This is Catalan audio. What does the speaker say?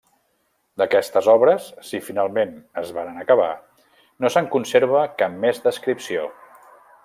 D'aquestes obres, si finalment es varen acabar, no se'n conserva cap més descripció.